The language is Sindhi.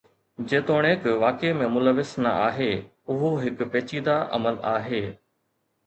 جيتوڻيڪ واقعي ۾ ملوث نه آهي، اهو هڪ پيچيده عمل آهي.